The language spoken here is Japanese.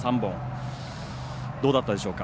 どうだったでしょうか？